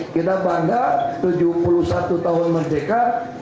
kita bangga tujuh puluh satu tahun merdeka